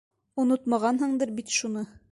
Онотмағанһыңдыр бит шуны?